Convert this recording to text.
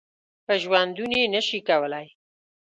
په ژوندوني نه شي کولای .